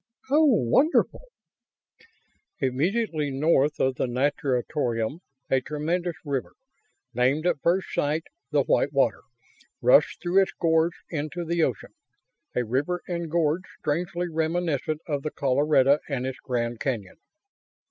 "Oh, wonderful!" Immediately north of the natatorium a tremendous river named at first sight the "Whitewater" rushed through its gorge into the ocean; a river and gorge strangely reminiscent of the Colorado and its Grand Canyon.